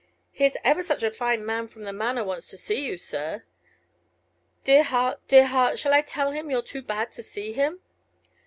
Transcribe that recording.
"Here's ever such a fine man from the Manor wants to see you, sir. Dear heart, dear heart! shall I tell him you're too bad to see him?"